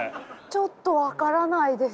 ちょっと分からないです。